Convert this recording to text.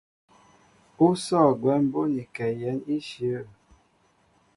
Ú sɔ̂ gwɛm bónikɛ yɛ̌n íshyə̂.